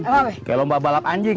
kayak lomba balap anjing